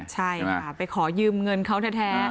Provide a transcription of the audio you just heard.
ใช่ค่ะไปขอยืมเงินเขาแท้